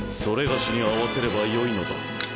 それがしに合わせればよいのだ。